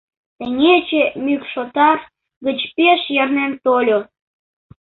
Теҥгече мӱкшотар гыч пеш ярнен тольо.